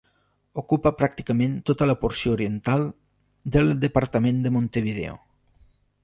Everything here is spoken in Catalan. Ocupa pràcticament tota la porció oriental del departament de Montevideo.